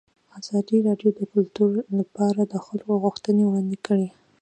ازادي راډیو د کلتور لپاره د خلکو غوښتنې وړاندې کړي.